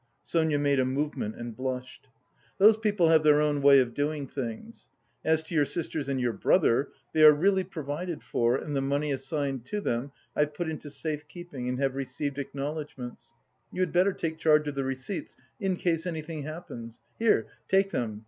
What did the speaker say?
(Sonia made a movement and blushed.) "Those people have their own way of doing things. As to your sisters and your brother, they are really provided for and the money assigned to them I've put into safe keeping and have received acknowledgments. You had better take charge of the receipts, in case anything happens. Here, take them!